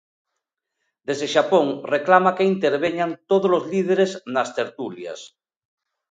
Desde Xapón, reclama que interveñan tódolos líderes nas tertulias.